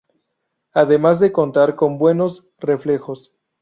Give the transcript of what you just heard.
Además de contar con buenos reflejos.